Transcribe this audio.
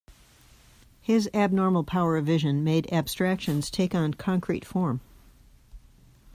His abnormal power of vision made abstractions take on concrete form.